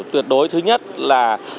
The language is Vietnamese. tuyệt đối thứ nhất là